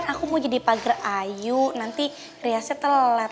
kan aku mau jadi pagre ayu nanti riasnya telat lagi